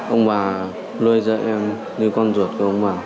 ông bà nuôi dạy em như con ruột của ông bà